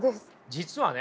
実はね